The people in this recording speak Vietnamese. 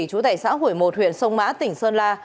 chủ tải xã hủy một huyện sông mã tỉnh sơn la